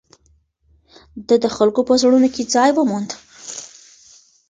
ده د خلکو په زړونو کې ځای وموند.